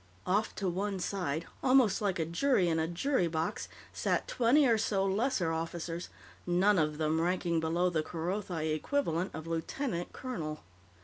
Off to one side, almost like a jury in a jury box, sat twenty or so lesser officers, none of them ranking below the Kerothi equivalent of lieutenant colonel.